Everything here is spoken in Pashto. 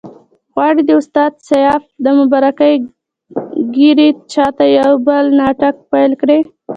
غواړي د استاد سیاف د مبارکې ږیرې شاته یو بل ناټک پیل کړي.